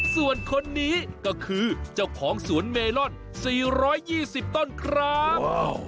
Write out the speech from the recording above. ส่วนคนนี้ก็คือเจ้าของสวนเมลอน๔๒๐ต้นครับ